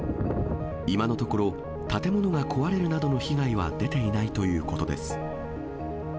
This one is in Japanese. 今のところ、建物が壊れるなどの被害は出ていないということです。